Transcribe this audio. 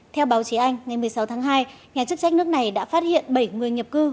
theo báo chí anh ngày một mươi sáu tháng hai nhà chức trách nước này đã phát hiện bảy người nhập cư